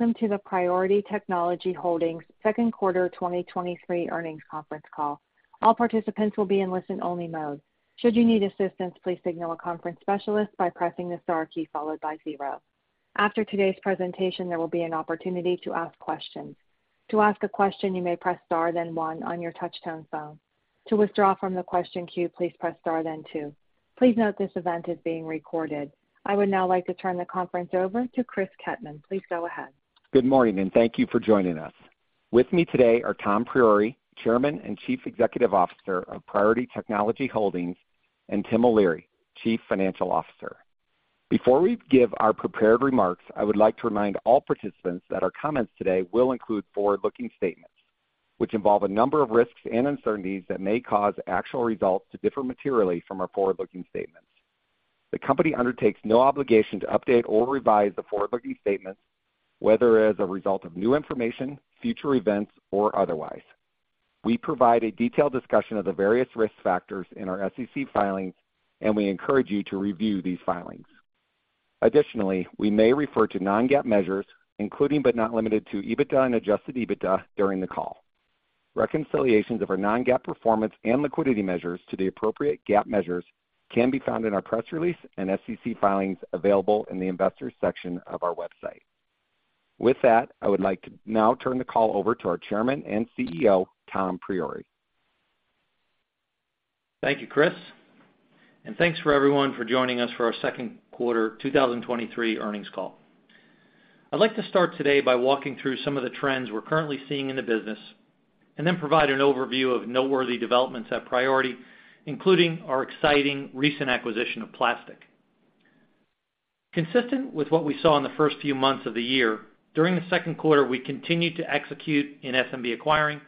Welcome to the Priority Technology Holdings second quarter 2023 earnings conference call. All participants will be in listen-only mode. Should you need assistance, please signal a conference specialist by pressing the star key followed by zero. After today's presentation, there will be an opportunity to ask questions. To ask a question, you may press star, then one on your touchtone phone. To withdraw from the question queue, please press star, then two. Please note this event is being recorded. I would now like to turn the conference over to Chris Kettmann. Please go ahead. Good morning. Thank you for joining us. With me today are Tom Priore, Chairman and Chief Executive Officer of Priority Technology Holdings, and Tim O'Leary, Chief Financial Officer. Before we give our prepared remarks, I would like to remind all participants that our comments today will include forward-looking statements, which involve a number of risks and uncertainties that may cause actual results to differ materially from our forward-looking statements. The company undertakes no obligation to update or revise the forward-looking statements, whether as a result of new information, future events, or otherwise. We provide a detailed discussion of the various risk factors in our SEC filings. We encourage you to review these filings. Additionally, we may refer to non-GAAP measures, including, but not limited to, EBITDA and Adjusted EBITDA during the call. Reconciliations of our non-GAAP performance and liquidity measures to the appropriate GAAP measures can be found in our press release and SEC filings available in the Investors section of our website. With that, I would like to now turn the call over to our chairman and CEO, Tom Priore. Thank you, Chris, and thanks for everyone for joining us for our second quarter 2023 earnings call. I'd like to start today by walking through some of the trends we're currently seeing in the business and then provide an overview of noteworthy developments at Priority, including our exciting recent acquisition of Plastiq. Consistent with what we saw in the first few months of the year, during the second quarter, we continued to execute in SMB acquiring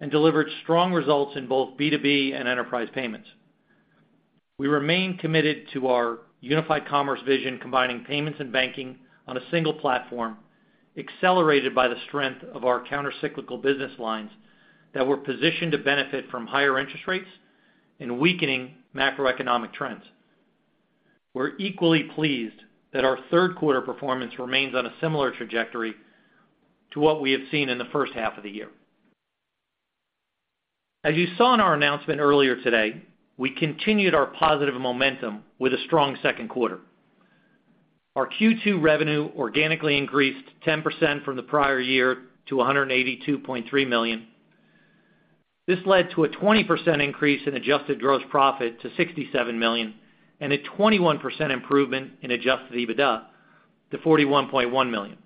and delivered strong results in both B2B and enterprise payments. We remain committed to our unified commerce vision, combining payments and banking on a single platform, accelerated by the strength of our countercyclical business lines that were positioned to benefit from higher interest rates and weakening macroeconomic trends. We're equally pleased that our third quarter performance remains on a similar trajectory to what we have seen in the first half of the year. As you saw in our announcement earlier today, we continued our positive momentum with a strong second quarter. Our Q2 revenue organically increased 10% from the prior year to $182.3 million. This led to a 20% increase in Adjusted Gross Profit to $67 million and a 21% improvement in Adjusted EBITDA to $41.1 million.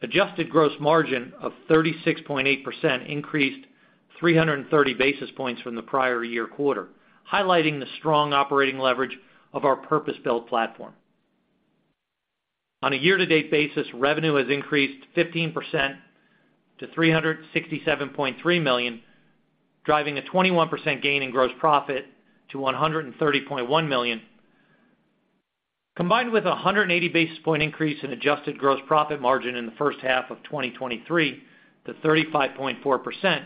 Adjusted Gross Margin of 36.8% increased 330 basis points from the prior year quarter, highlighting the strong operating leverage of our purpose-built platform. On a year-to-date basis, revenue has increased 15% to $367.3 million, driving a 21% gain in gross profit to $130.1 million. Combined with 180 basis point increase in Adjusted Gross Profit Margin in the first half of 2023 to 35.4%,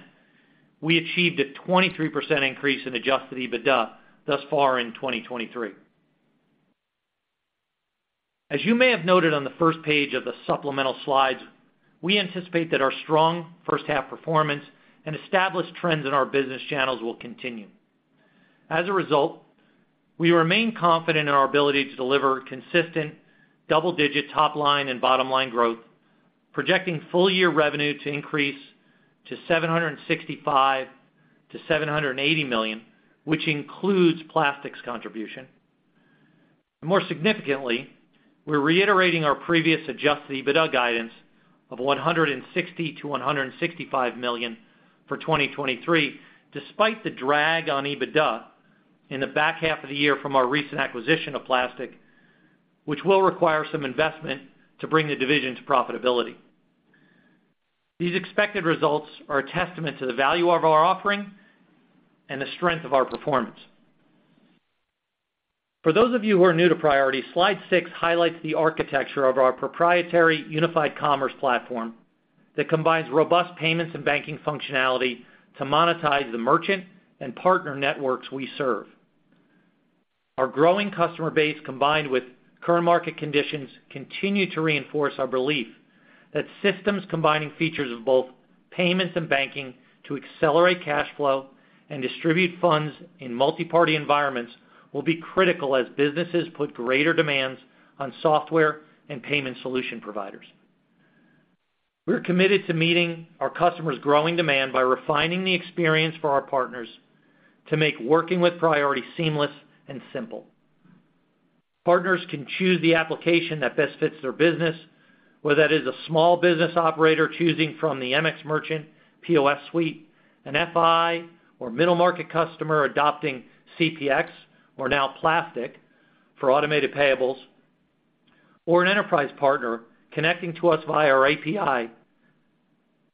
we achieved a 23% increase in Adjusted EBITDA thus far in 2023. As you may have noted on the first page of the supplemental slides, we anticipate that our strong first half performance and established trends in our business channels will continue. As a result, we remain confident in our ability to deliver consistent double-digit top line and bottom-line growth, projecting full-year revenue to increase to $765 million-$780 million, which includes Plastiq contribution. More significantly, we're reiterating our previous Adjusted EBITDA guidance of $160 million-$165 million for 2023, despite the drag on EBITDA in the back half of the year from our recent acquisition of Plastiq, which will require some investment to bring the division to profitability. These expected results are a testament to the value of our offering and the strength of our performance. For those of you who are new to Priority, slide 6 highlights the architecture of our proprietary unified commerce platform that combines robust payments and banking functionality to monetize the merchant and partner networks we serve. Our growing customer base, combined with current market conditions, continue to reinforce our belief that systems combining features of both payments and banking to accelerate cash flow and distribute funds in multiparty environments will be critical as businesses put greater demands on software and payment solution providers. We're committed to meeting our customers' growing demand by refining the experience for our partners to make working with Priority seamless and simple. Partners can choose the application that best fits their business, whether that is a small business operator choosing from the MX Merchant POS Suite, an FI or middle-market customer adopting CPX or now Plastiq for automated payables, or an enterprise partner connecting to us via our API,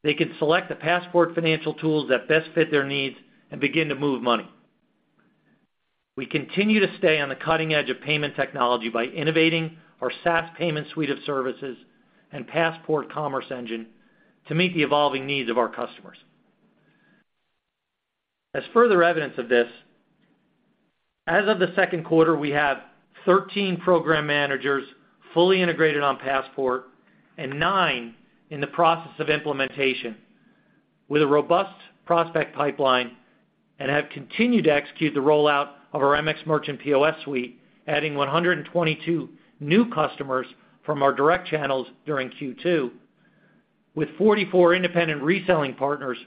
they can select the Passport financial tools that best fit their needs and begin to move money. We continue to stay on the cutting edge of payment technology by innovating our SaaS payment suite of services and Passport Commerce Engine to meet the evolving needs of our customers. As further evidence of this, as of the second quarter, we have 13 program managers fully integrated on Passport and nine in the process of implementation, with a robust prospect pipeline and have continued to execute the rollout of our MX Merchant POS Suite, adding 122 new customers from our direct channels during Q2, with 44 independent reselling partners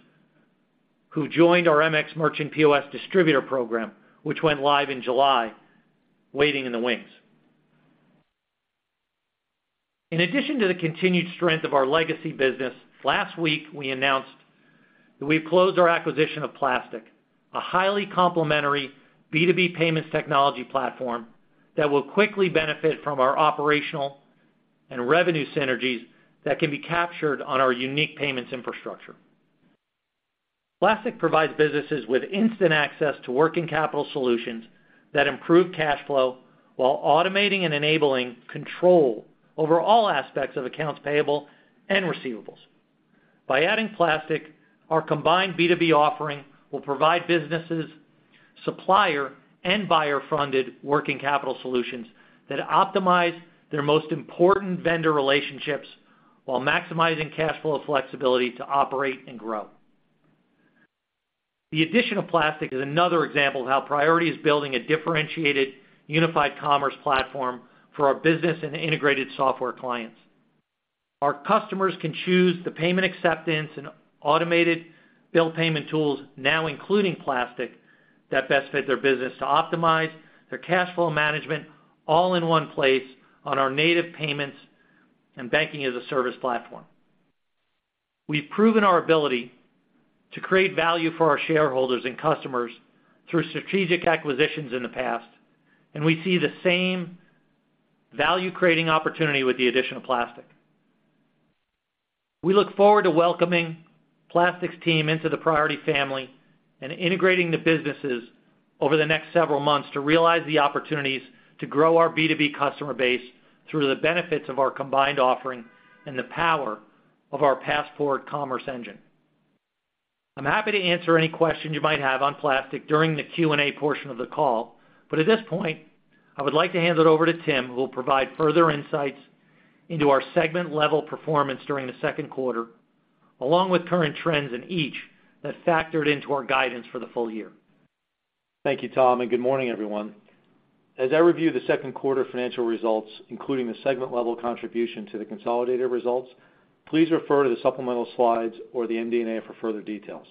who joined our MX Merchant POS distributor program, which went live in July, waiting in the wings. In addition to the continued strength of our legacy business, last week we announced that we've closed our acquisition of Plastiq, a highly complementary B2B payments technology platform that will quickly benefit from our operational and revenue synergies that can be captured on our unique payments infrastructure. Plastiq provides businesses with instant access to working capital solutions that improve cash flow while automating and enabling control over all aspects of accounts payable and receivables. By adding Plastiq, our combined B2B offering will provide businesses, supplier, and buyer-funded working capital solutions that optimize their most important vendor relationships while maximizing cash flow flexibility to operate and grow. The addition of Plastiq is another example of how Priority is building a differentiated, unified commerce platform for our business and integrated software clients. Our customers can choose the payment acceptance and automated bill payment tools, now including Plastiq, that best fit their business to optimize their cash flow management all in one place on our native payments and Banking-as-a-Service platform. We've proven our ability to create value for our shareholders and customers through strategic acquisitions in the past, and we see the same value-creating opportunity with the addition of Plastiq. We look forward to welcoming Plastiq's team into the Priority family and integrating the businesses over the next several months to realize the opportunities to grow our B2B customer base through the benefits of our combined offering and the power of our Passport Commerce Engine. I'm happy to answer any questions you might have on Plastiq during the Q&A portion of the call, but at this point, I would like to hand it over to Tim, who will provide further insights into our segment-level performance during the second quarter, along with current trends in each that factored into our guidance for the full year. Thank you, Tom. Good morning, everyone. As I review the second quarter financial results, including the segment-level contribution to the consolidated results, please refer to the supplemental slides or the MD&A for further details.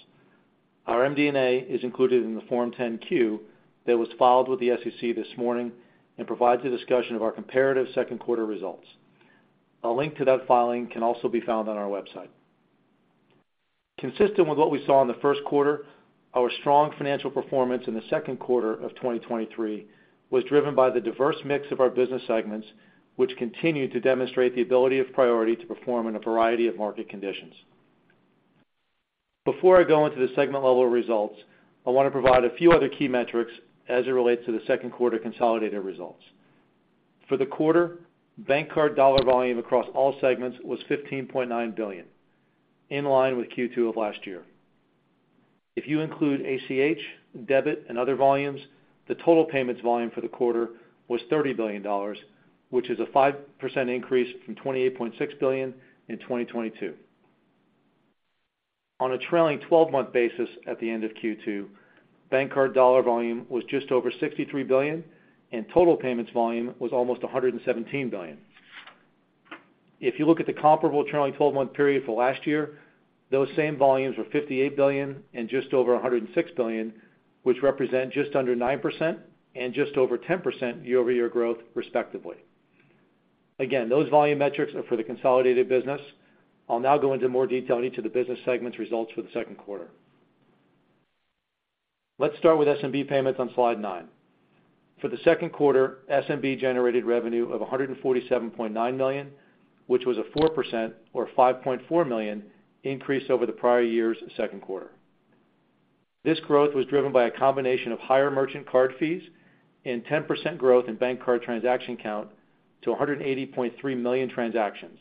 Our MD&A is included in the Form 10-Q that was filed with the SEC this morning and provides a discussion of our comparative second quarter results. A link to that filing can also be found on our website. Consistent with what we saw in the first quarter, our strong financial performance in the second quarter of 2023 was driven by the diverse mix of our business segments, which continued to demonstrate the ability of Priority to perform in a variety of market conditions. Before I go into the segment-level results, I want to provide a few other key metrics as it relates to the second quarter consolidated results. For the quarter, bank card dollar volume across all segments was $15.9 billion, in line with Q2 of last year. If you include ACH, debit, and other volumes, the total payments volume for the quarter was $30 billion, which is a 5% increase from $28.6 billion in 2022. On a trailing twelve-month basis at the end of Q2, bank card dollar volume was just over $63 billion, and total payments volume was almost $117 billion. If you look at the comparable trailing twelve-month period for last year, those same volumes were $58 billion and just over $106 billion, which represent just under 9% and just over 10% year-over-year growth, respectively. Again, those volume metrics are for the consolidated business. I'll now go into more detail on each of the business segments results for the second quarter. Let's start with SMB payments on slide nine. For the second quarter, SMB generated revenue of $147.9 million, which was a 4% or $5.4 million increase over the prior year's second quarter. This growth was driven by a combination of higher merchant card fees and 10% growth in bank card transaction count to 180.3 million transactions,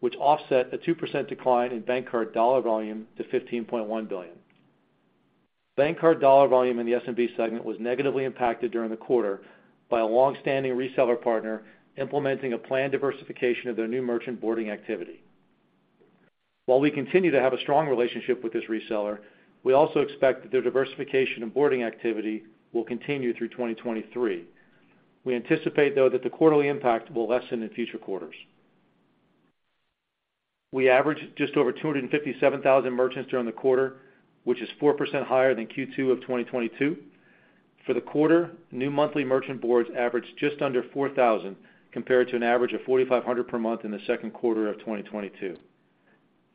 which offset a 2% decline in bank card dollar volume to $15.1 billion. Bank card dollar volume in the SMB segment was negatively impacted during the quarter by a long-standing reseller partner implementing a planned diversification of their new merchant boarding activity. While we continue to have a strong relationship with this reseller, we also expect that their diversification and boarding activity will continue through 2023. We anticipate, though, that the quarterly impact will lessen in future quarters. We averaged just over 257,000 merchants during the quarter, which is 4% higher than Q2 of 2022. For the quarter, new monthly merchant boards averaged just under 4,000, compared to an average of 4,500 per month in the second quarter of 2022.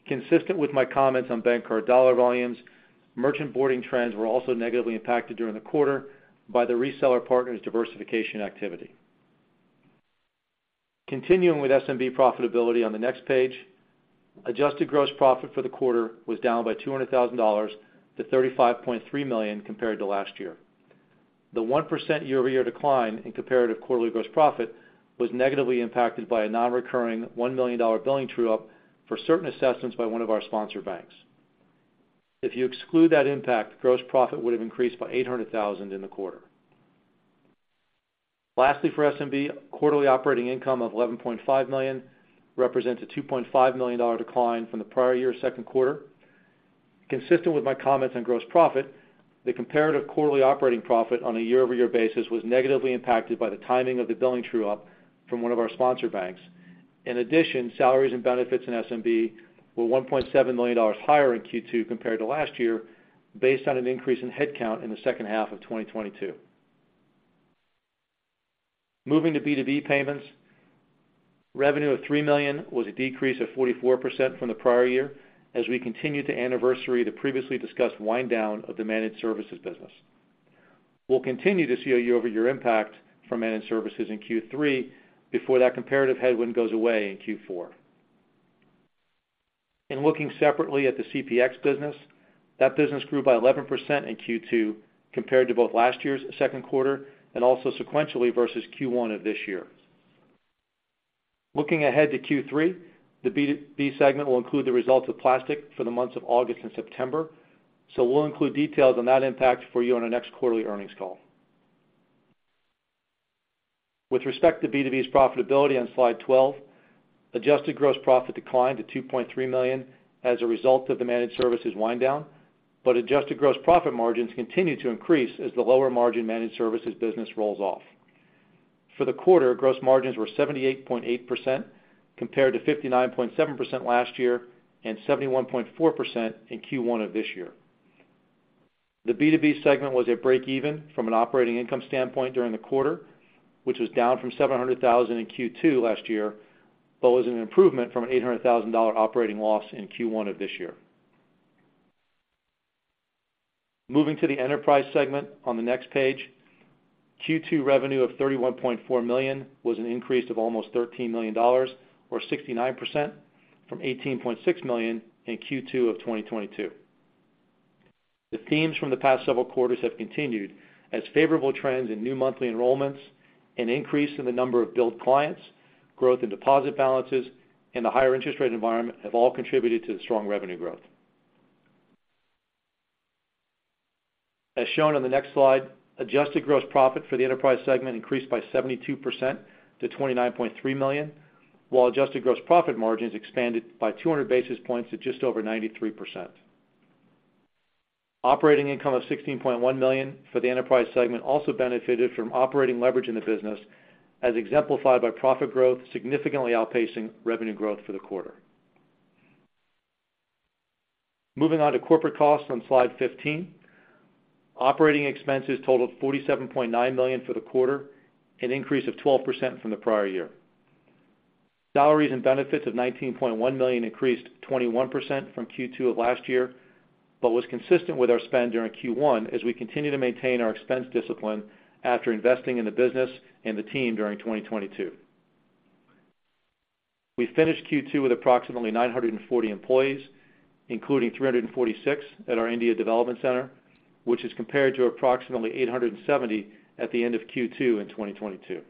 Consistent with my comments on bank card dollar volumes, merchant boarding trends were also negatively impacted during the quarter by the reseller partner's diversification activity. Continuing with SMB profitability on the next page, adjusted gross profit for the quarter was down by $200,000 to $35.3 million compared to last year.... The 1% year-over-year decline in comparative quarterly gross profit was negatively impacted by a non-recurring $1 million billing true-up for certain assessments by one of our sponsor banks. If you exclude that impact, gross profit would have increased by $800,000 in the quarter. Lastly, for SMB, quarterly operating income of $11.5 million represents a $2.5 million decline from the prior year's second quarter. Consistent with my comments on gross profit, the comparative quarterly operating profit on a year-over-year basis was negatively impacted by the timing of the billing true-up from one of our sponsor banks. In addition, salaries and benefits in SMB were $1.7 million higher in Q2 compared to last year, based on an increase in headcount in the second half of 2022. Moving to B2B payments, revenue of $3 million was a decrease of 44% from the prior year, as we continue to anniversary the previously discussed wind down of the managed services business. We'll continue to see a year-over-year impact from managed services in Q3, before that comparative headwind goes away in Q4. Looking separately at the CPX business, that business grew by 11% in Q2 compared to both last year's second quarter and also sequentially versus Q1 of this year. Looking ahead to Q3, the B2B segment will include the results of Plastiq for the months of August and September, so we'll include details on that impact for you on our next quarterly earnings call. With respect to B2B's profitability on Slide 12, adjusted gross profit declined to $2.3 million as a result of the managed services wind down, but adjusted gross profit margins continued to increase as the lower margin managed services business rolls off. For the quarter, gross margins were 78.8%, compared to 59.7% last year, and 71.4% in Q1 of this year. The B2B segment was at breakeven from an operating income standpoint during the quarter, which was down from $700,000 in Q2 last year, but was an improvement from an $800,000 operating loss in Q1 of this year. Moving to the enterprise segment on the next page. Q2 revenue of $31.4 million was an increase of almost $13 million, or 69%, from $18.6 million in Q2 of 2022. The themes from the past several quarters have continued as favorable trends in new monthly enrollments, an increase in the number of billed clients, growth in deposit balances, and the higher interest rate environment have all contributed to the strong revenue growth. As shown on the next slide, Adjusted Gross Profit for the enterprise segment increased by 72% to $29.3 million, while Adjusted Gross Profit Margins expanded by 200 basis points to just over 93%. Operating income of $16.1 million for the enterprise segment also benefited from operating leverage in the business, as exemplified by profit growth significantly outpacing revenue growth for the quarter. Moving on to corporate costs on Slide 15. Operating expenses totaled $47.9 million for the quarter, an increase of 12% from the prior year. Salaries and benefits of $19.1 million increased 21% from Q2 of last year, was consistent with our spend during Q1 as we continue to maintain our expense discipline after investing in the business and the team during 2022. We finished Q2 with approximately 940 employees, including 346 at our India Development Center, which is compared to approximately 870 at the end of Q2 in 2022.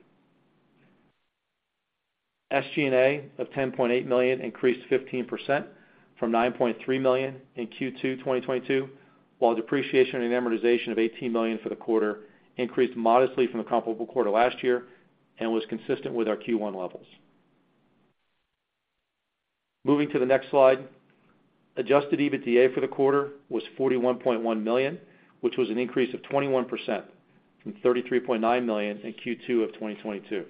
SG&A of $10.8 million increased 15% from $9.3 million in Q2 2022, while depreciation and amortization of $18 million for the quarter increased modestly from the comparable quarter last year and was consistent with our Q1 levels. Moving to the next slide. Adjusted EBITDA for the quarter was $41.1 million, which was an increase of 21% from $33.9 million in Q2 of 2022.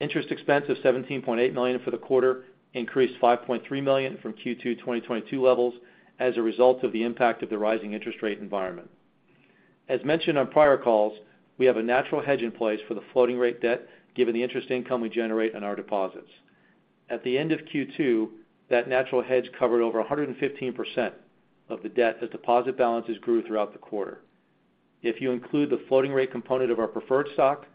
Interest expense of $17.8 million for the quarter increased $5.3 million from Q2 2022 levels as a result of the impact of the rising interest rate environment. As mentioned on prior calls, we have a natural hedge in place for the floating rate debt, given the interest income we generate on our deposits. At the end of Q2, that natural hedge covered over 115% of the debt as deposit balances grew throughout the quarter. If you include the floating rate component of our preferred stock,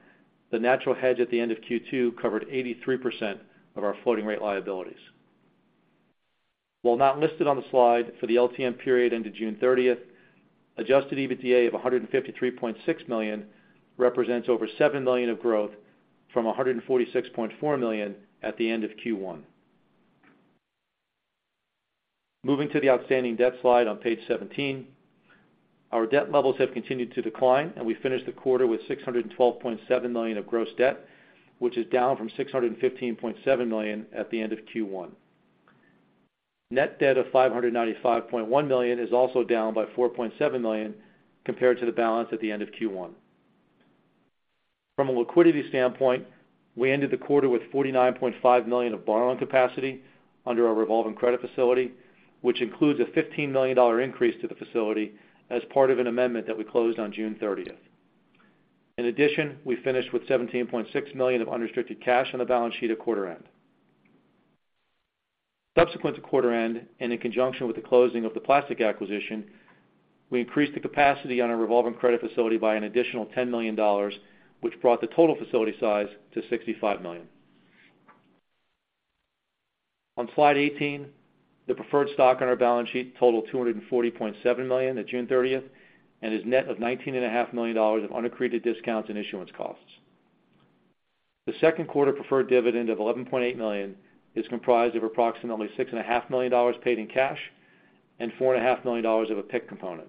the natural hedge at the end of Q2 covered 83% of our floating rate liabilities. While not listed on the slide, for the LTM period into June 30th, adjusted EBITDA of $153.6 million represents over $7 million of growth from $146.4 million at the end of Q1. Moving to the outstanding debt slide on Page 17. Our debt levels have continued to decline, we finished the quarter with $612.7 million of gross debt, which is down from $615.7 million at the end of Q1. Net debt of $595.1 million is also down by $4.7 million compared to the balance at the end of Q1. From a liquidity standpoint, we ended the quarter with $49.5 million of borrowing capacity under our revolving credit facility, which includes a $15 million increase to the facility as part of an amendment that we closed on June 30th. We finished with $17.6 million of unrestricted cash on the balance sheet at quarter end. Subsequent to quarter end, in conjunction with the closing of the Plastiq acquisition, we increased the capacity on our revolving credit facility by an additional $10 million, which brought the total facility size to $65 million. On slide 18, the preferred stock on our balance sheet totaled $240.7 million at June 30th, is net of $19.5 million of unaccreted discounts and issuance costs. The second quarter preferred dividend of $11.8 million is comprised of approximately $6.5 million paid in cash and $4.5 million of a PIK component.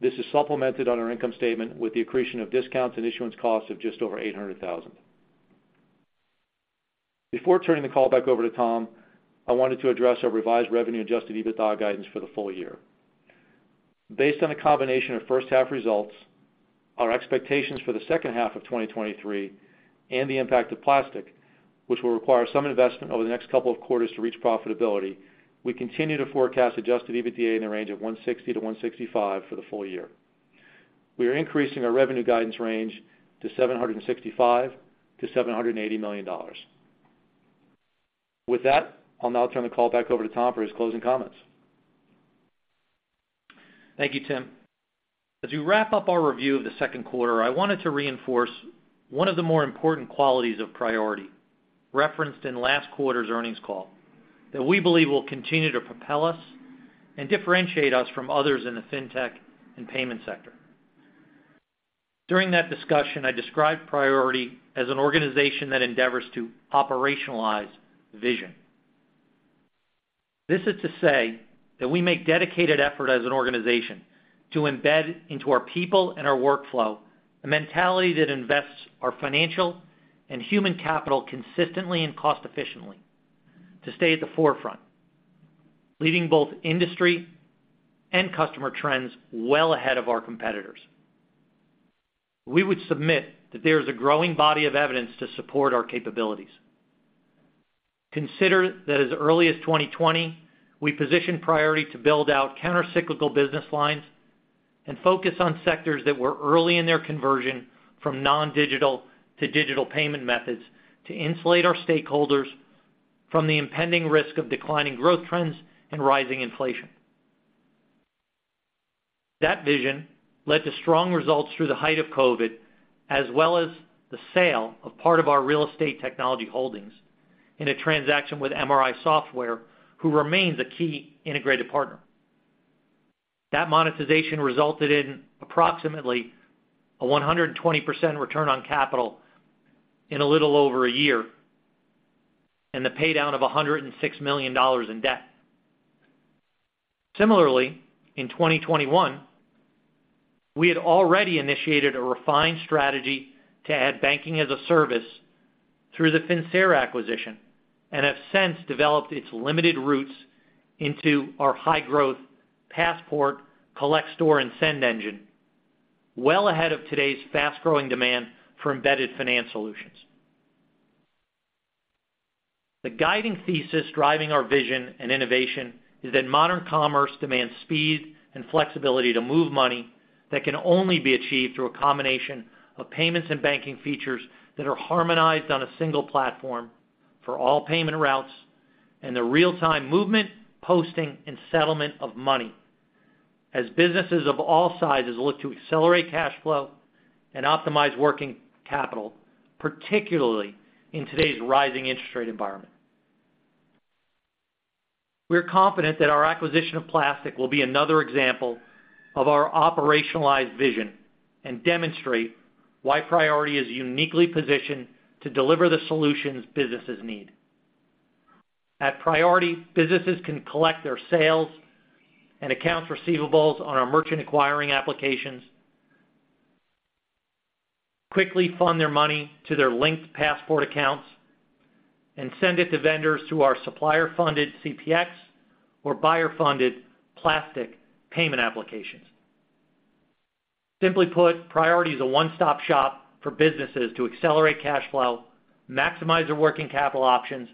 This is supplemented on our income statement with the accretion of discounts and issuance costs of just over $800,000. Before turning the call back over to Tom, I wanted to address our revised revenue adjusted EBITDA guidance for the full year. Based on a combination of first half results, our expectations for the second half of 2023, and the impact of Plastiq, which will require some investment over the next couple of quarters to reach profitability, we continue to forecast adjusted EBITDA in the range of $160 million-$165 million for the full year. We are increasing our revenue guidance range to $765 million-$780 million. With that, I'll now turn the call back over to Tom for his closing comments. Thank you, Tim. As we wrap up our review of the second quarter, I wanted to reinforce one of the more important qualities of Priority referenced in last quarter's earnings call, that we believe will continue to propel us and differentiate us from others in the fintech and payment sector. During that discussion, I described Priority as an organization that endeavors to operationalize vision. This is to say that we make dedicated effort as an organization to embed into our people and our workflow, a mentality that invests our financial and human capital consistently and cost efficiently to stay at the forefront, leading both industry and customer trends well ahead of our competitors. We would submit that there is a growing body of evidence to support our capabilities. Consider that as early as 2020, we positioned Priority to build out countercyclical business lines and focus on sectors that were early in their conversion from non-digital to digital payment methods, to insulate our stakeholders from the impending risk of declining growth trends and rising inflation. That vision led to strong results through the height of COVID, as well as the sale of part of our real estate technology holdings in a transaction with MRI Software, who remains a key integrated partner. That monetization resulted in approximately a 120% return on capital in a little over a year, and the paydown of $106 million in debt. Similarly, in 2021, we had already initiated a refined strategy to add Banking-as-a-Service through the Finxera acquisition, and have since developed its limited roots into our high-growth Passport collect, store, and send engine well ahead of today's fast-growing demand for embedded finance solutions. The guiding thesis driving our vision and innovation is that modern commerce demands speed and flexibility to move money that can only be achieved through a combination of payments and banking features that are harmonized on a single platform for all payment routes and the real-time movement, posting, and settlement of money, as businesses of all sizes look to accelerate cash flow and optimize working capital, particularly in today's rising interest rate environment. We're confident that our acquisition of Plastiq will be another example of our operationalized vision and demonstrate why Priority is uniquely positioned to deliver the solutions businesses need. At Priority, businesses can collect their sales and accounts receivables on our merchant acquiring applications, quickly fund their money to their linked Passport accounts, and send it to vendors through our supplier-funded CPX or buyer-funded Plastiq payment applications. Simply put, Priority is a one-stop shop for businesses to accelerate cash flow, maximize their working capital options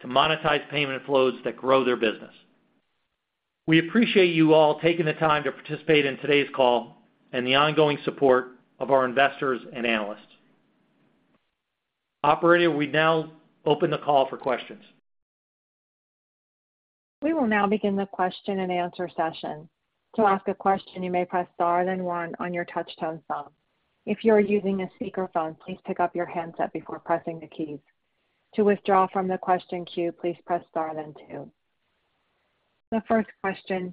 to monetize payment flows that grow their business. We appreciate you all taking the time to participate in today's call and the ongoing support of our investors and analysts. Operator, we now open the call for questions. We will now begin the question-and-answer session. To ask a question, you may press star then one on your touchtone phone. If you are using a speakerphone, please pick up your handset before pressing the keys. To withdraw from the question queue, please press star then two. The first question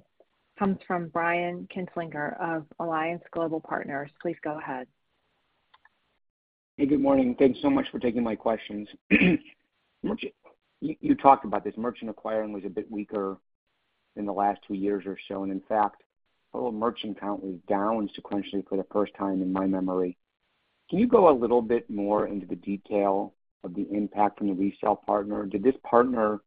comes from Brian Kinstlinger of Alliance Global Partners. Please go ahead. Hey, good morning. Thanks so much for taking my questions. You talked about this, merchant acquiring was a bit weaker in the last two years or so, and in fact, total merchant count was down sequentially for the first time in my memory. Can you go a little bit more into the detail of the impact from the resell partner? Did this partner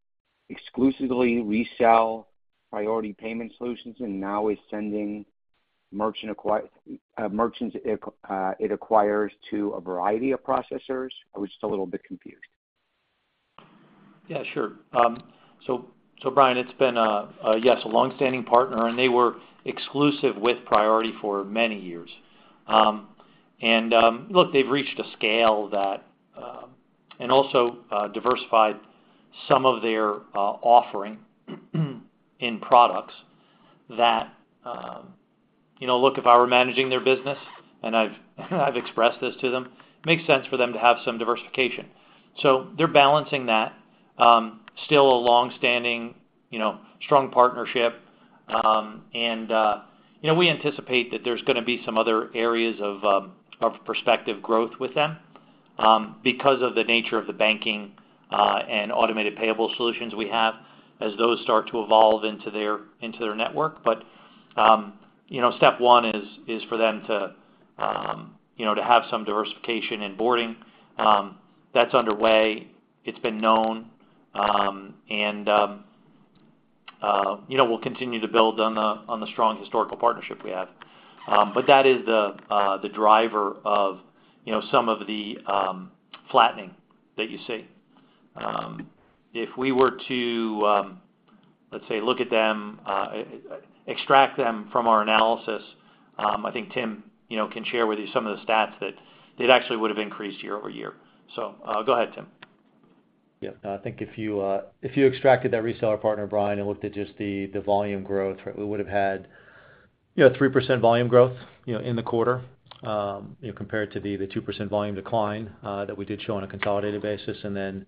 exclusively resell Priority Payment Systems and now is sending merchant merchants it acquires to a variety of processors? I was just a little bit confused. Yeah, sure. So Brian, it's been a, a, yes, a long-standing partner, and they were exclusive with Priority for many years. Look, they've reached a scale that, and also, diversified some of their, offering, in products that, you know, look, if I were managing their business, and I've, I've expressed this to them, it makes sense for them to have some diversification. They're balancing that, still a long-standing, you know, strong partnership. You know, we anticipate that there's gonna be some other areas of, prospective growth with them, because of the nature of the banking, and automated payable solutions we have, as those start to evolve into their, into their network. You know, step one is, is for them to, you know, to have some diversification and boarding. That's underway. It's been known. You know, we'll continue to build on the, on the strong historical partnership we have. That is the driver of, you know, some of the flattening that you see. If we were to, let's say, look at them, extract them from our analysis, I think Tim, you know, can share with you some of the stats that it actually would have increased year-over-year. Go ahead, Tim. Yeah. I think if you, if you extracted that reseller partner, Brian, and looked at just the, the volume growth, we would have had, you know, 3% volume growth, you know, in the quarter, compared to the, the 2% volume decline that we did show on a consolidated basis. Then,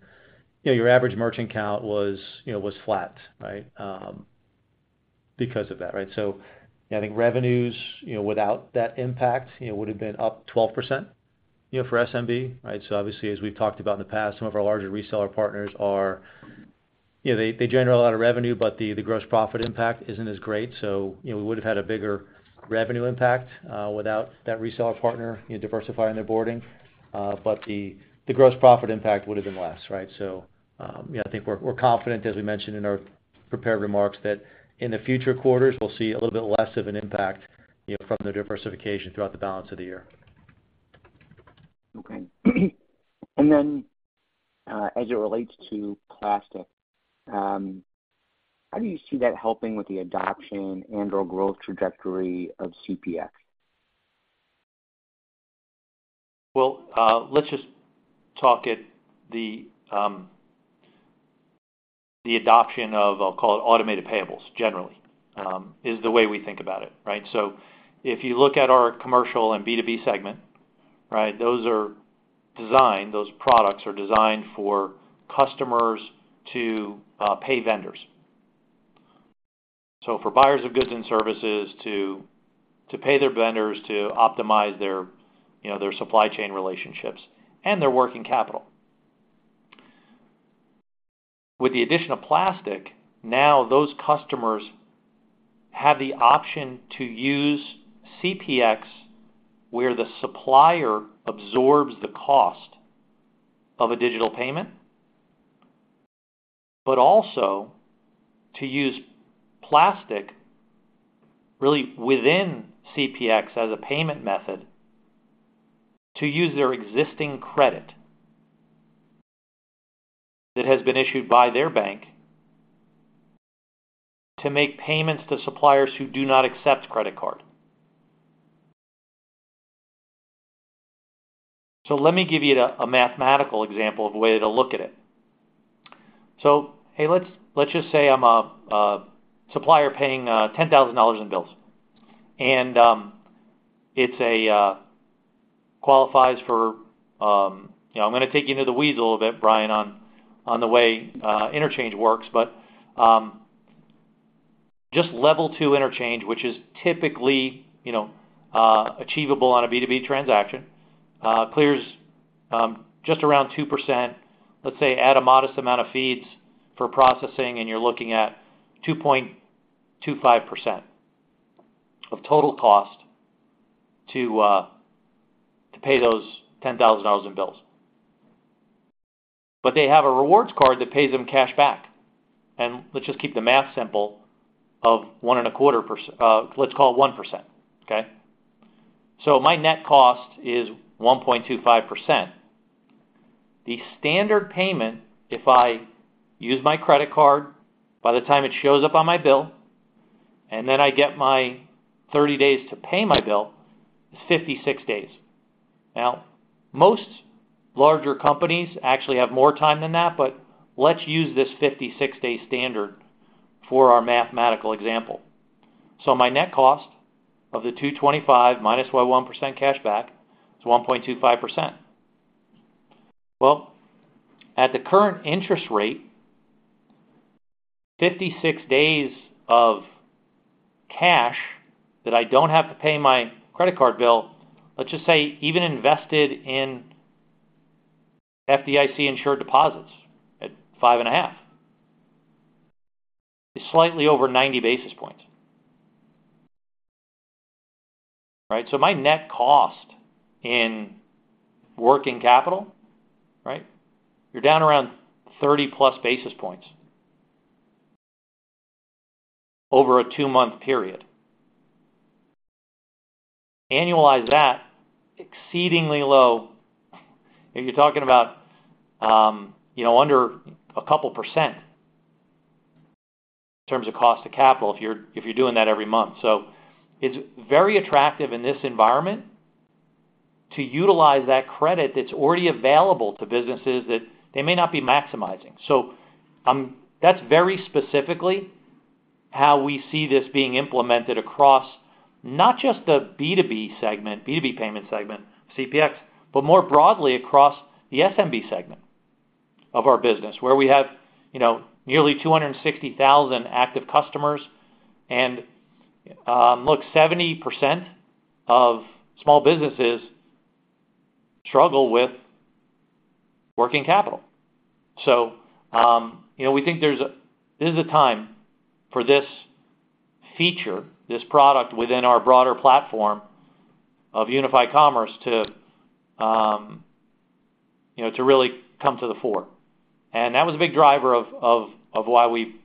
you know, your average merchant count was, you know, was flat, right? Because of that, right? I think revenues, you know, without that impact, you know, would have been up 12%, you know, for SMB, right? Obviously, as we've talked about in the past, some of our larger reseller partners are... You know, they generate a lot of revenue, but the, the gross profit impact isn't as great. You know, we would have had a bigger revenue impact without that reseller partner diversifying their boarding. The, the Gross Profit Impact would have been less, right? Yeah, I think we're, we're confident, as we mentioned in our prepared remarks, that in the future quarters, we'll see a little bit less of an impact, you know, from the diversification throughout the balance of the year. Okay. then, as it relates to Plastiq, how do you see that helping with the adoption and/or growth trajectory of CPX? Well, let's just talk at the adoption of, I'll call it automated payables, generally, is the way we think about it, right? If you look at our commercial and B2B segment, right, those are designed, those products are designed for customers to pay vendors. For buyers of goods and services to, to pay their vendors, to optimize their, you know, their supply chain relationships and their working capital. With the addition of Plastiq, now those customers have the option to use CPX, where the supplier absorbs the cost of a digital payment, but also to use Plastiq really within CPX as a payment method to use their existing credit that has been issued by their bank, to make payments to suppliers who do not accept credit card. Let me give you a, a mathematical example of a way to look at it. Hey, let's, let's just say I'm a supplier paying $10,000 in bills, and it's a qualifies for... You know, I'm gonna take you into the weeds a little bit, Brian, on, on the way interchange works, but just Level 2 interchange, which is typically, you know, achievable on a B2B transaction, clears just around 2%. Let's say, add a modest amount of fees for processing, and you're looking at 2.25% of total cost to pay those $10,000 in bills. They have a rewards card that pays them cashback. Let's just keep the math simple of 1.25%, let's call it 1%. Okay? My net cost is 1.25%. The standard payment, if I use my credit card, by the time it shows up on my bill, and then I get my 30 days to pay my bill, is 56 days. Now, most larger companies actually have more time than that, but let's use this 56-day standard for our mathematical example. My net cost of the 2.25 minus my 1% cashback is 1.25%. Well, at the current interest rate, 56 days of cash that I don't have to pay my credit card bill, let's just say, even invested in FDIC-insured deposits at 5.5, is slightly over 90 basis points, right? My net cost in working capital, right, you're down around 30+ basis points over a two-month period. Annualize that, exceedingly low. You're talking about, you know, under a couple % in terms of cost of capital if you're, if you're doing that every month. It's very attractive in this environment to utilize that credit that's already available to businesses that they may not be maximizing. That's very specifically how we see this being implemented across not just the B2B segment, B2B payment segment, CPX, but more broadly across the SMB segment of our business, where we have, you know, nearly 260,000 active customers. Look, 70% of small businesses struggle with working capital. We think there's this is a time for this feature, this product within our broader platform of unified commerce to, you know, to really come to the fore. That was a big driver of, of, of why we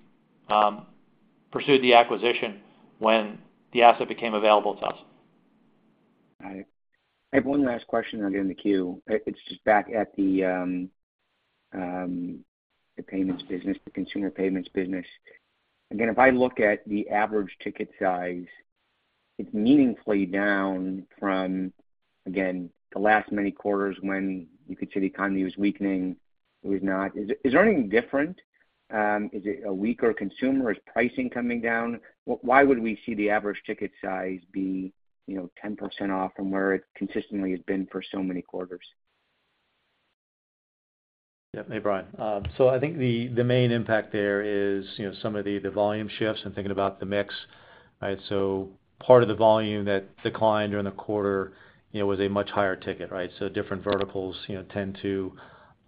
pursued the acquisition when the asset became available to us. All right. I have one last question under in the queue. It's just back at the payments business, the consumer payments business. Again, if I look at the average ticket size, it's meaningfully down from, again, the last many quarters when you could say the economy was weakening, it was not. Is, is there anything different? Is it a weaker consumer? Is pricing coming down? Why would we see the average ticket size be, you know, 10% off from where it consistently has been for so many quarters? Yeah. Hey, Brian. I think the, the main impact there is, you know, some of the, the volume shifts and thinking about the mix, right? Part of the volume that declined during the quarter, you know, was a much higher ticket, right? Different verticals, you know, tend to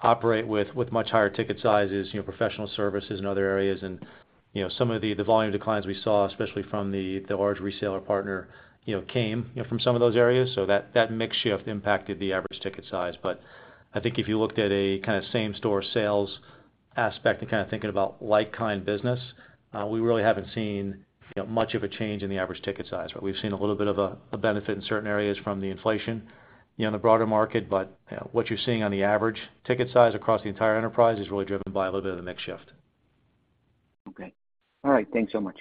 operate with, with much higher ticket sizes, you know, professional services and other areas. You know, some of the, the volume declines we saw, especially from the, the large reseller partner, you know, came, you know, from some of those areas. That, that mix shift impacted the average ticket size. I think if you looked at a kind of same-store sales aspect and kind of thinking about like-kind business, we really haven't seen, you know, much of a change in the average ticket size. We've seen a little bit of a, a benefit in certain areas from the inflation, you know, in the broader market. What you're seeing on the average ticket size across the entire enterprise is really driven by a little bit of the mix shift. Okay. All right. Thanks so much.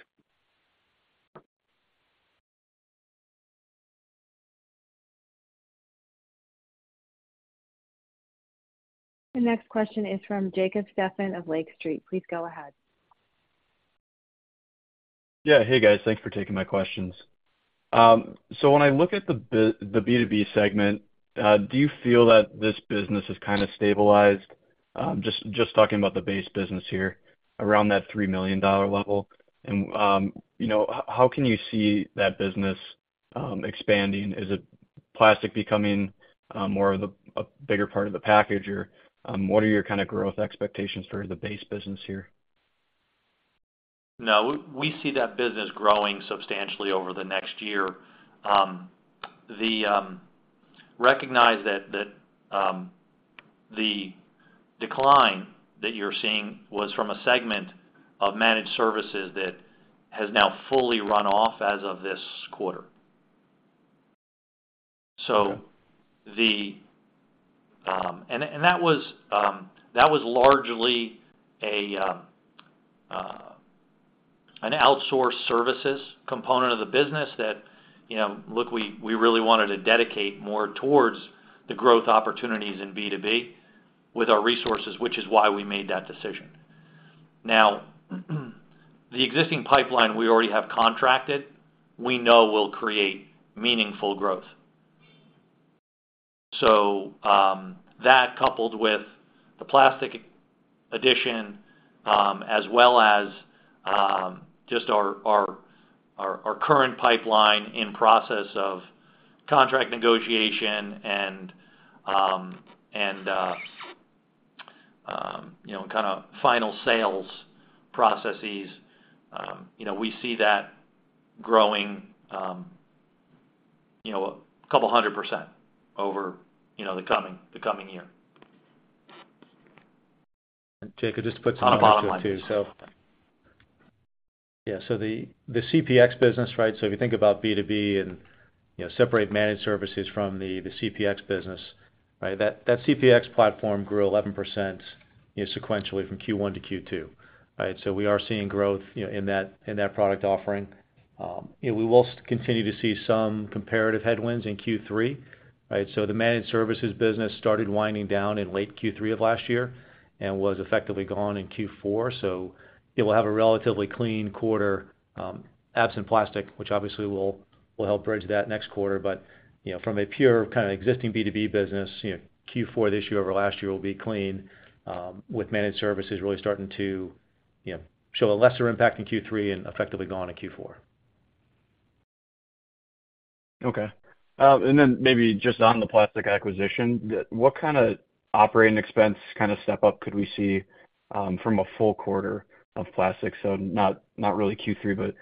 The next question is from Jacob Stephan of Lake Street. Please go ahead. Yeah. Hey, guys. Thanks for taking my questions. So when I look at the B2B segment, do you feel that this business has kind of stabilized? Just talking about the base business here, around that $3 million level? You know, how can you see that business expanding? Is it Plastiq becoming more of the... a bigger part of the package? What are your kind of growth expectations for the base business here? No, we, we see that business growing substantially over the next year. We recognize that the decline that you're seeing was from a segment of managed services that has now fully run off as of this quarter. That was largely an outsourced services component of the business that, you know, look, we, we really wanted to dedicate more towards the growth opportunities in B2B with our resources, which is why we made that decision. Now, the existing pipeline we already have contracted, we know will create meaningful growth. That coupled with the Plastiq addition, as well as, just our, our, our, our current pipeline in process of contract negotiation and, and, you know, kind of final sales processes, you know, we see that growing, you know, a couple hundred % over, you know, the coming, the coming year. Jacob, just to put some numbers to it, too. On the bottom line. The CPX business, right? If you think about B2B and, you know, separate managed services from the CPX business, right? That CPX platform grew 11%, you know, sequentially from Q1 to Q2, right? We are seeing growth, you know, in that product offering. You know, we will continue to see some comparative headwinds in Q3, right? The managed services business started winding down in late Q3 of last year and was effectively gone in Q4. It will have a relatively clean quarter, absent Plastiq, which obviously will help bridge that next quarter. From a pure kind of existing B2B business, you know, Q4 this year over last year will be clean, with managed services really starting to, you know, show a lesser impact in Q3 and effectively gone in Q4. Okay. Maybe just on the Plastiq acquisition, what kind of operating expense, kind of, step up could we see from a full quarter of Plastiq? Not, not really Q3, but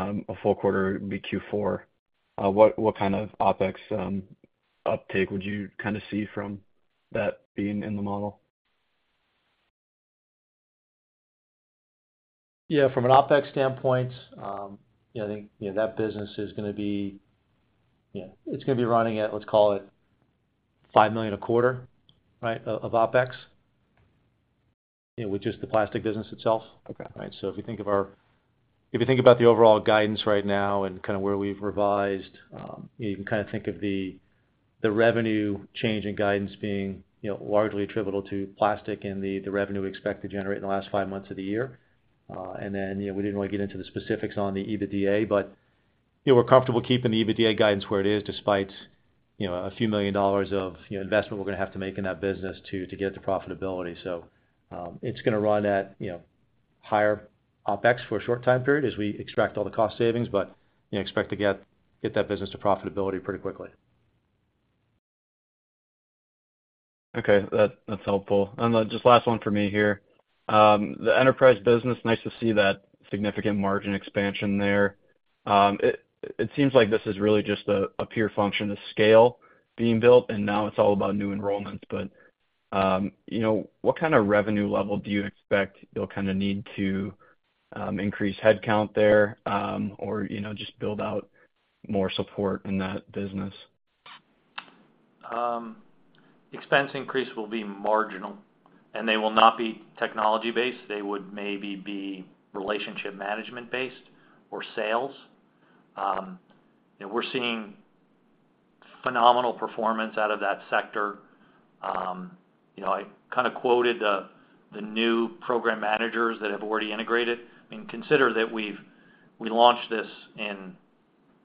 a full quarter, it would be Q4. What, what kind of OpEx, uptake would you kind of see from that being in the model? Yeah, from an OpEx standpoint, yeah, I think, you know, that business is gonna be... Yeah, it's gonna be running at, let's call it, $5 million a quarter, right, of OpEx? Yeah, with just the Plastiq business itself. Okay. Right? If you think about the overall guidance right now and kind of where we've revised, you can kind of think of the, the revenue change in guidance being, you know, largely attributable to Plastiq and the, the revenue we expect to generate in the last five months of the year. Then, you know, we didn't really get into the specifics on the EBITDA, but, you know, we're comfortable keeping the EBITDA guidance where it is, despite, you know, a few million dollars of, you know, investment we're gonna have to make in that business to, to get it to profitability. It's gonna run at, you know, higher OpEx for a short time period as we extract all the cost savings, but, you know, expect to get, get that business to profitability pretty quickly. Okay. That, that's helpful. Then, just last one for me here. The enterprise business, nice to see that significant margin expansion there. It, it seems like this is really just a, a pure function of scale being built, and now it's all about new enrollments. You know, what kind of revenue level do you expect you'll kind of need to, increase headcount there, or, you know, just build out more support in that business? Expense increase will be marginal, and they will not be technology-based. They would maybe be relationship management-based or sales. We're seeing phenomenal performance out of that sector. You know, I kind of quoted the, the new program managers that have already integrated. I mean, consider that we've-- we launched this in,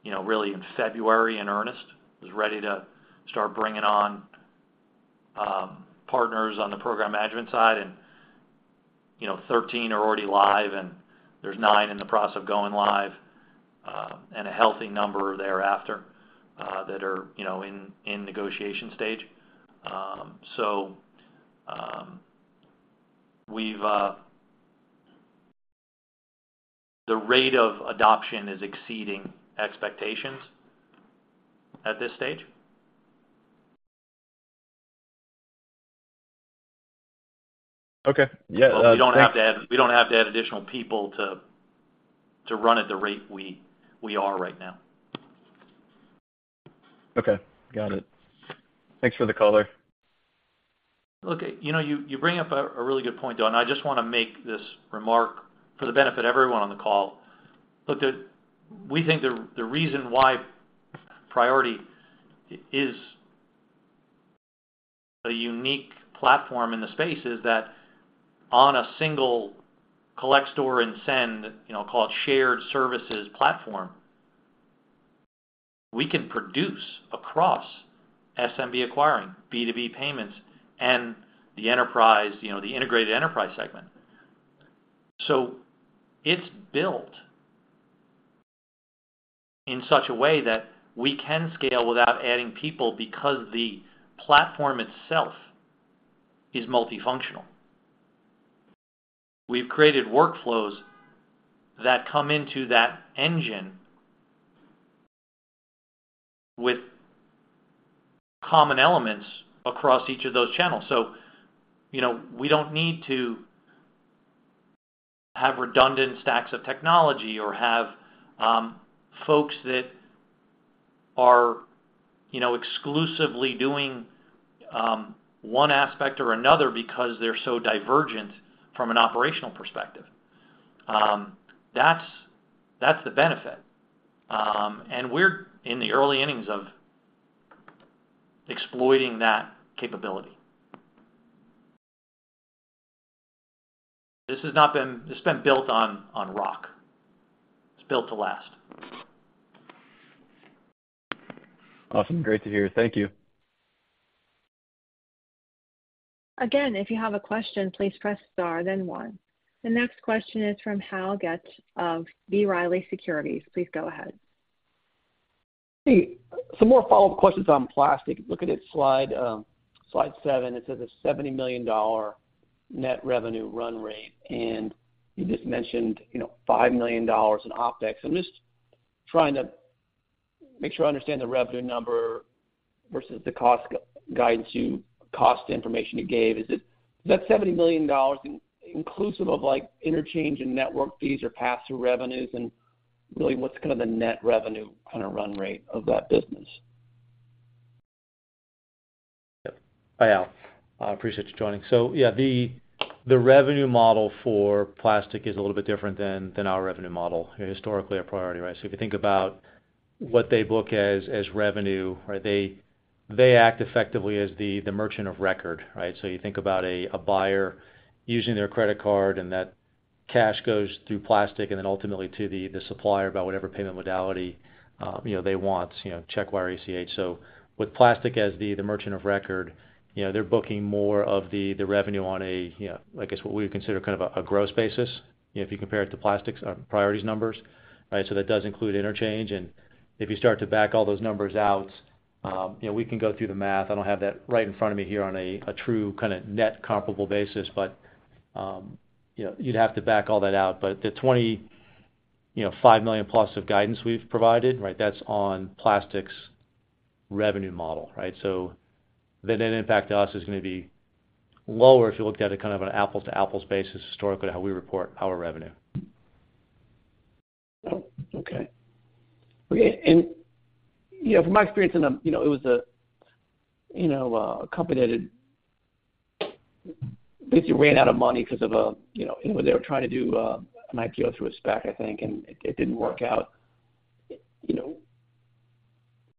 you know, really in February, in earnest. Was ready to start bringing on partners on the program management side, and, you know, 13 are already live, and there's nine in the process of going live, and a healthy number thereafter that are, you know, in, in negotiation stage. We've... The rate of adoption is exceeding expectations at this stage. Okay. Yeah. We don't have to add, we don't have to add additional people to, to run at the rate we, we are right now. Okay, got it. Thanks for the color. Look, you know, you, you bring up a, a really good point, Jacob, I just wanna make this remark for the benefit of everyone on the call. Look, we think the, the reason why Priority is a unique platform in the space is that on a single collect, store, and send, you know, call it, shared services platform, we can produce across SMB acquiring, B2B payments, and the enterprise, you know, the integrated enterprise segment. It's built in such a way that we can scale without adding people, because the platform itself is multifunctional. We've created workflows that come into that engine with common elements across each of those channels. You know, we don't need to have redundant stacks of technology or have folks that are, you know, exclusively doing one aspect or another because they're so divergent from an operational perspective. That's, that's the benefit. We're in the early innings of exploiting that capability. This has not been built on, on rock. It's built to last. Awesome. Great to hear. Thank you. Again, if you have a question, please press Star, then One. The next question is from Hal Goetsch of B. Riley Securities. Please go ahead. Hey, some more follow-up questions on Plastiq. Looking at slide seven, it says a $70 million net revenue run rate, and you just mentioned, you know, $5 million in OpEx. I'm just trying to make sure I understand the revenue number versus the cost guidance, cost information you gave. Is that $70 million inclusive of, like, interchange and network fees or pass-through revenues? Really, what's kind of the net revenue kind of run rate of that business? Yep. Hi, Hal. I appreciate you joining. Yeah, the, the revenue model for Plastiq is a little bit different than, than our revenue model historically at Priority, right? If you think about what they book as, as revenue, right, they, they act effectively as the, the merchant of record, right? You think about a, a buyer using their credit card, and that cash goes through Plastiq, and then ultimately to the, the supplier by whatever payment modality, you know, they want, you know, check wire, ACH. With Plastiq as the, the merchant of record, you know, they're booking more of the, the revenue on a, you know, I guess, what we would consider kind of a, a gross basis, you know, if you compare it to Plastiq's, Priority's numbers, right? That does include interchange, and if you start to back all those numbers out, you know, we can go through the math. I don't have that right in front of me here on a, a true kind of net comparable basis, but, you know, you'd have to back all that out. The $25 million plus of guidance we've provided, right? That's on Plastiq's revenue model, right? That, in fact, to us, is gonna be lower if you looked at it kind of an apple-to-apples basis, historically, how we report our revenue. Oh, okay. Okay, and, you know, from my experience in a, you know, it was a, you know, a company that basically ran out of money because of a, you know, they were trying to do, an IPO through a SPAC, I think, and it, it didn't work out. You know,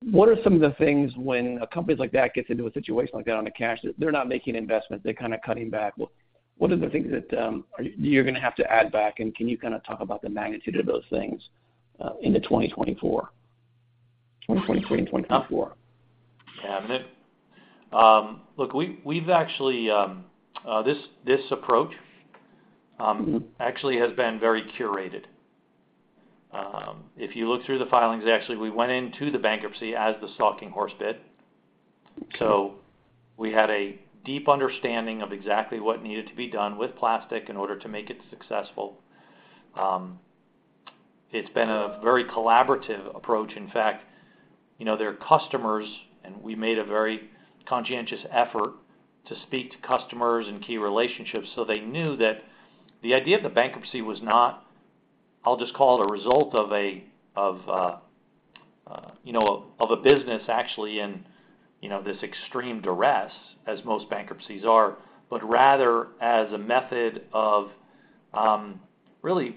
what are some of the things when a company like that gets into a situation like that on the cash, they're not making investments, they're kind of cutting back. What, what are the things that, you're going to have to add back? And can you kind of talk about the magnitude of those things, into 2024? 2023 and 2024. Yeah. Look, we, we've actually, this, this approach, actually has been very curated. If you look through the filings, actually, we went into the bankruptcy as the stalking horse bid, so we had a deep understanding of exactly what needed to be done with Plastiq in order to make it successful. It's been a very collaborative approach. In fact, you know, their customers, and we made a very conscientious effort to speak to customers and key relationships, so they knew that the idea of the bankruptcy was not, I'll just call it a result of a, of, you know, of a business actually in, you know, this extreme duress, as most bankruptcies are, but rather as a method of, really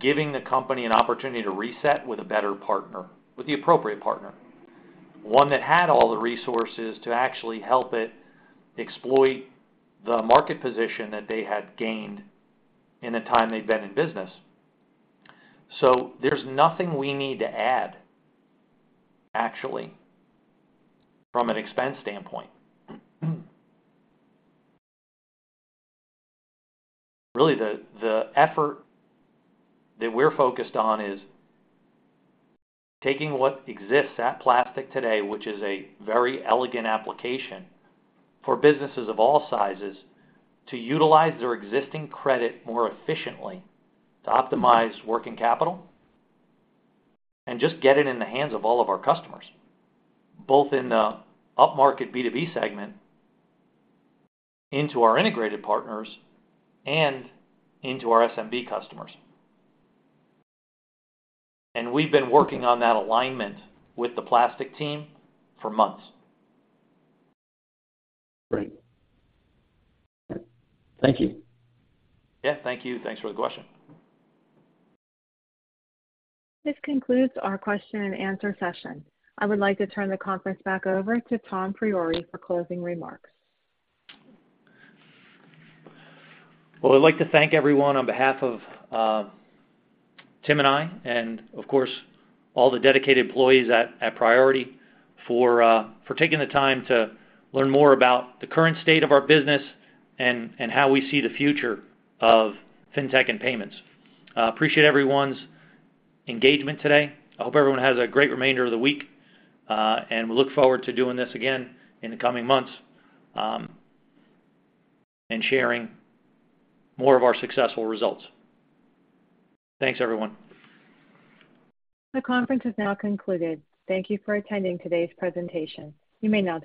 giving the company an opportunity to reset with a better partner, with the appropriate partner. One that had all the resources to actually help it exploit the market position that they had gained in the time they'd been in business. There's nothing we need to add, actually, from an expense standpoint. Really, the effort that we're focused on is taking what exists at Plastiq today, which is a very elegant application for businesses of all sizes, to utilize their existing credit more efficiently, to optimize working capital, and just get it in the hands of all of our customers, both in the upmarket B2B segment, into our integrated partners, and into our SMB customers. We've been working on that alignment with the Plastiq team for months. Great. Thank you. Yeah, thank you. Thanks for the question. This concludes our question and answer session. I would like to turn the conference back over to Tom Priore for closing remarks. Well, I'd like to thank everyone on behalf of Tim and I, and of course, all the dedicated employees at Priority for taking the time to learn more about the current state of our business and how we see the future of fintech and payments. Appreciate everyone's engagement today. I hope everyone has a great remainder of the week, and we look forward to doing this again in the coming months, and sharing more of our successful results. Thanks, everyone. The conference is now concluded. Thank you for attending today's presentation. You may now disconnect.